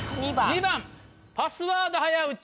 ２番「パスワード早打ち」。